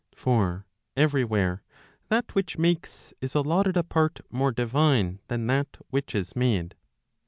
For every where that which makes is allotted a part more divine than that which is made.